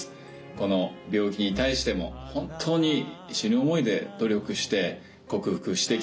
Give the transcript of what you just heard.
この病気に対しても本当に死ぬ思いで努力して克服してきたと思います。